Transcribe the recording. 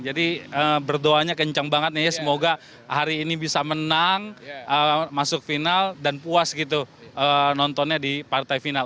jadi berdoanya kencang banget nih ya semoga hari ini bisa menang masuk final dan puas gitu nontonnya di partai final